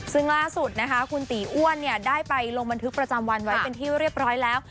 ซึ่งล่าสุดนะคะคุณตีอ้วนได้ไปลงบันทึกประจำวันไว้เป็นที่เรียบร้อยแล้ว